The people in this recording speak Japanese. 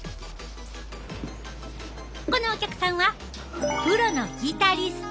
このお客さんはプロのギタリスト。